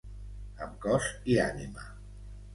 Amb cos i ànima.